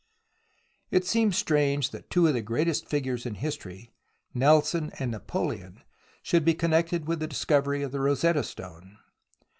It seems strange that two of the greatest figures in history, Nelson and Napoleon, should be con nected with the discovery of the Rosetta Stone.